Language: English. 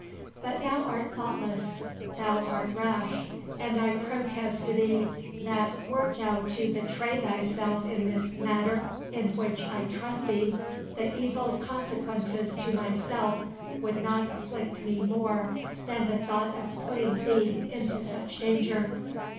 But thou art thoughtless—thou art rash—and I protest to thee, that wert thou to betray thyself in this matter, in which I trust thee, the evil consequences to myself would not afflict me more than the thought of putting thee into such danger."